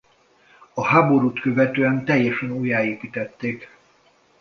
A háborút követően teljesen újjáépítették.